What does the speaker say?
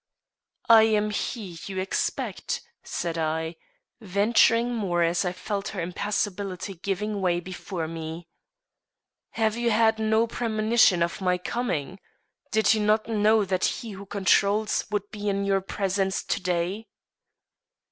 "I am he you expect," said I, venturing more as I felt her impassibility giving way before me. "Have you had no premonition of my coming? Did you not know that he who controls would be in your presence to day?"